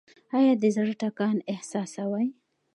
ایا د زړه ټکان احساسوئ؟